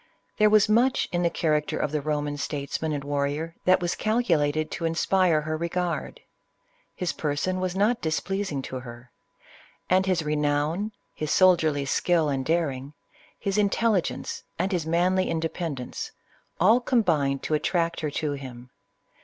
There was much in the character of the Eoman statesman and warrior, that was calculated to inspire her regard. His person was not displeasing to her; and his re nown, his soldierly skill and daring, his intelligence, and his manly independence, all combined to attract her to him.